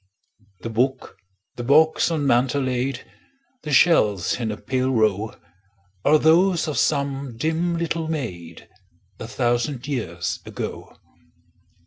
The book, the box on mantel laid, The shells in a pale row, Are those of some dim little maid, A thousand years ago.